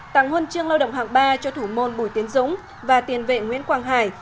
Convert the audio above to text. tặng huân chương lao động hạng ba cho thủ môn bùi tiến dũng và tiền vệ nguyễn quang hải